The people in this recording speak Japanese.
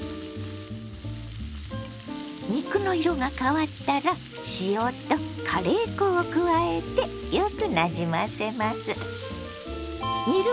肉の色が変わったら塩とカレー粉を加えてよくなじませます。